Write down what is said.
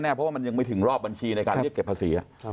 เพราะว่ามันยังไม่ถึงรอบบัญชีในการเรียกเก็บภาษี